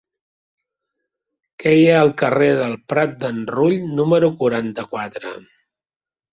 Què hi ha al carrer del Prat d'en Rull número quaranta-quatre?